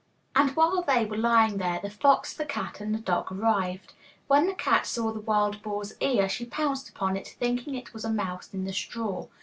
And while they were lying there, the fox, the cat and the dog arrived. When the cat saw the wild boar's ear, she pounced upon it, thinking it was a mouse in the straw.